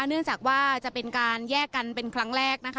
เนื่องจากว่าจะเป็นการแยกกันเป็นครั้งแรกนะคะ